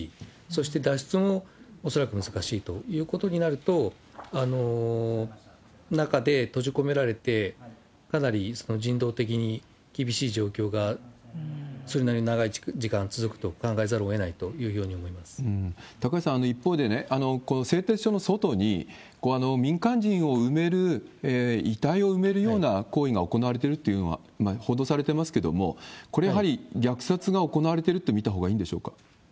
そして、脱出も恐らく難しいということになると、中で閉じ込められて、かなり人道的に厳しい状況がそれなりに長い時間続くと考えざるを高橋さん、一方でこの製鉄所の外に、民間人を埋める、遺体を埋めるような行為が行われているというのは報道されてますけれども、これ、やはり虐殺が行われてると見たほうがいいんでしょうか？